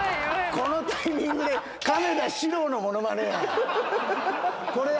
このタイミングで、亀田史郎のものまねや。